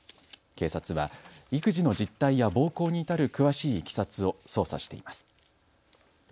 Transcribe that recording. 警察は育児の実態や暴行に至る詳しいいきさつを捜査しています。